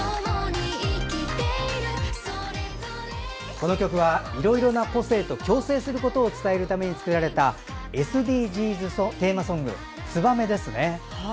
この曲はいろいろな個性と共生することを伝えるために作られたＳＤＧｓテーマソング「ツバメ」ですね。